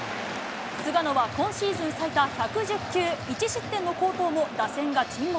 菅野は今シーズン最多１１０球、１失点の好投も打線が沈黙。